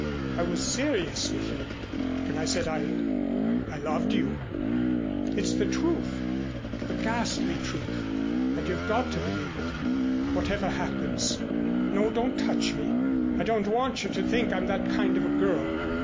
I was serious with you when I said I I loved you. It's the truth, the ghastly truth, and you've got to believe it, whatever happens. No, don't touch me. I don't want you to think I'm that kind of a girl.